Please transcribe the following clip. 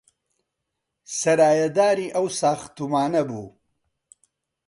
سەرایەداری ئەو ساختومانە بوو